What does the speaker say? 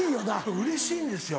うれしいんですよ。